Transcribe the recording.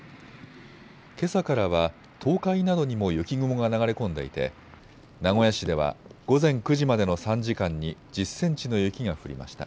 けさからは東海などにも雪雲が流れ込んでいて名古屋市では午前９時までの３時間に１０センチの雪が降りました。